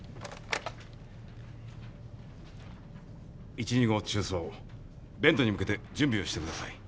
１・２号中操ベントに向けて準備をしてください。